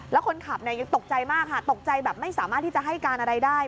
แล้วคนขับยังตกใจมากค่ะตกใจแบบไม่สามารถที่จะให้การอะไรได้